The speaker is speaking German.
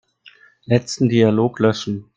Letzten Dialog löschen.